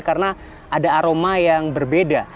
karena ada aroma yang berbeda